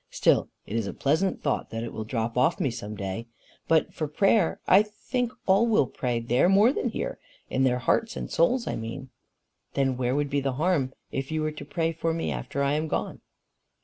Still it is a pleasant thought that it will drop off me some day. But for prayer I think all will pray there more than here in their hearts and souls I mean." "Then where would be the harm if you were to pray for me after I am gone?"